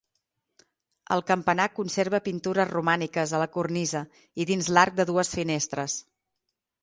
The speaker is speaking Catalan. El campanar conserva pintures romàniques a la cornisa i dins l'arc de dues finestres.